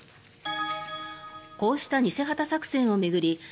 こうした偽旗作戦を巡り